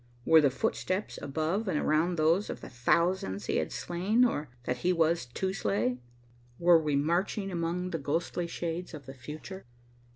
Were the footsteps above and around those of the thousands he had slain or that he was to slay? Were we marching among the ghostly shades of the future?